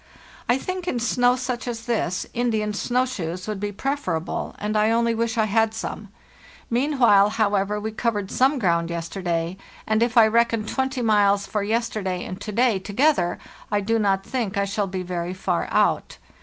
I think in snow such as this Indian snow shoes would be preferable, and I only wish I had some. Meanwhile, 208 FARTHEST NORTH however, we covered some ground yesterday, and if I reckon 20 miles for yesterday and to day together I do not think I shall be very far out.